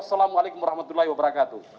wassalamualaikum warahmatullahi wabarakatuh